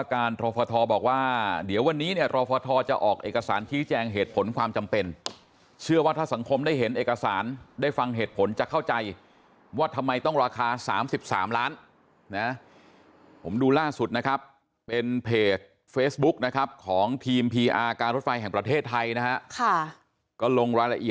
ก็ต้องสั่งทำกระจกใหม่อย่างนี้เป็นต้นอันนี้ครบนะครับ